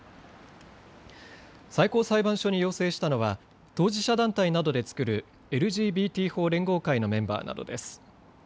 最高裁判所に要請したのは当事者団体などで作るＬＧＢＴ法連合会のメンバーなどです。